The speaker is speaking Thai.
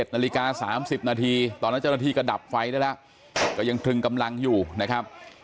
นาฬิกา๓๐นาทีตอนนั้นเจ้าหน้าที่ก็ดับไฟได้แล้วก็ยังตรึงกำลังอยู่นะครับ